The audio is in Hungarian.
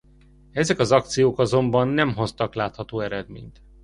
Ezek az akciók azonban nem hoztak látható eredményt.